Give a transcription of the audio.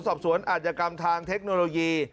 สอบสวนอาจยกรรมทางเทคโนโลยี